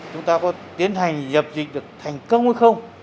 chúng ta có tiến hành dập dịch được thành công hay không